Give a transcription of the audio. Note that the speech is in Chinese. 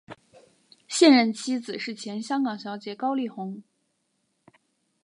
现任妻子是前香港小姐冠军高丽虹。